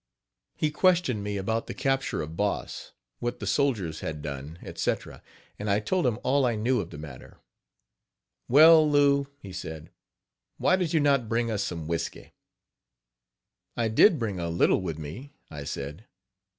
He questioned me about the capture of Boss, what the soldiers had done, etc., and I told him all I knew of the matter. "Well, Lou," he said, "why did you not bring us some whisky?" "I did bring a little with me," I said.